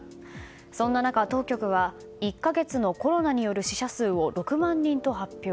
そんな中、当局は１か月のコロナによる死者数を６万人と発表。